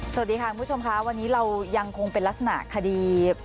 สวัสดีค่ะคุณผู้ชมค่ะวันนี้เรายังคงเป็นลักษณะคดี